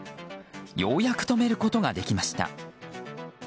ようやく止めることができました。